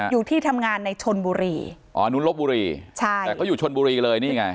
อยู่ที่ทำงานในชนบุรีอ๋อนุ้นลบบุรีใช่แต่เขาอยู่ชนบุรีเลยนี่ไง